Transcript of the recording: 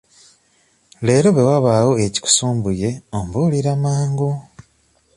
Leero bwe wabaawo ekikusumbuye ombuulira mangu.